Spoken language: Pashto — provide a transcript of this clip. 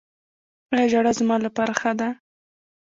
ایا ژړا زما لپاره ښه ده؟